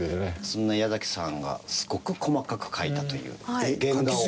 そんな矢崎さんがすごく細かく描いたという原画を。